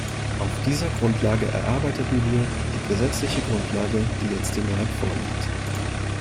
Auf dieser Grundlage erarbeiteten wir die gesetzliche Grundlage, die jetzt dem Rat vorliegt.